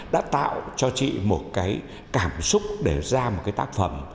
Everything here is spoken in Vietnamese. đã tạo cho chị một cái cảm xúc để ra một cái tác phẩm